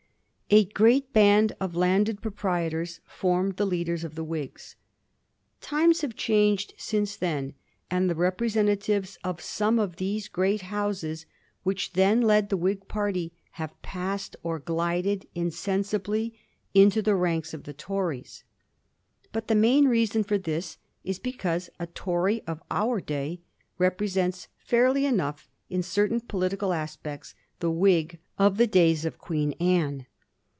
A great band of landed proprietors formed the leaders of the Whigs. Times have changed since then, and the representatives of some of those great houses which then led the Whig party have passed or glided insensibly into the ranks of the Tories ; but the main reason for this is because a Tory of our day represents fairly enough, in cer tam political aspects, the Whig of the days of Queen Anne.